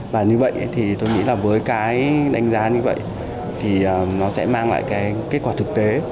và như vậy thì tôi nghĩ là với cái đánh giá như vậy thì nó sẽ mang lại cái kết quả thực tế